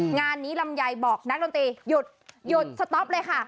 งานนี้ลำไยบอกนักดนตรีหยุดหยุดสต๊อปเลยค่ะ